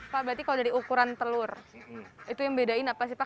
pak berarti kalau dari ukuran telur itu yang bedain apa sih pak